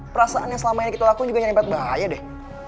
perasaan yang selama ini kita lakuin juga nyaripet bahaya deh